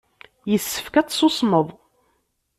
Yessefk ad tsusmeḍ.